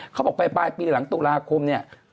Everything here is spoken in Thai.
เขาบอกไปปลายปีหลังตุลาคมเนี่ย